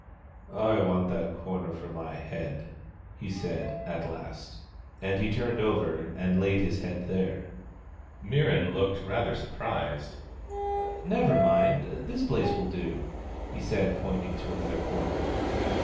" I want that corner for my head," he said, at last. And he turned over and laid his head there. Mirran looked rather surprised. " Never mind ; this place will do," he said, point ing to another corner.